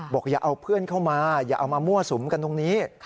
อย่าเอาเพื่อนเข้ามาอย่าเอามามั่วสุมกันตรงนี้